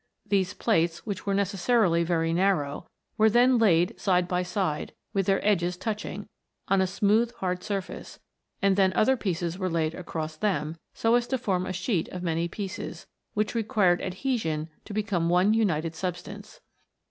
These plates, which were necessarily very narrow, were then laid side by side, with their edges touching, on a smooth hard surface ; and then other pieces were laid across them, so as to form a sheet of many pieces, which required adhesion to become one united substance.